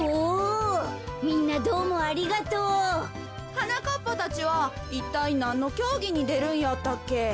はなかっぱたちはいったいなんのきょうぎにでるんやったっけ？